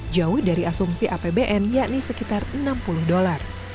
jauh dari asumsi apbn yakni sekitar enam puluh dolar